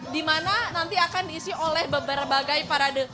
di mana nanti akan diisi oleh berbagai parade